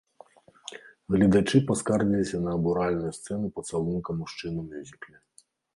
Гледачы паскардзіліся на абуральную сцэну пацалунка мужчын у мюзікле.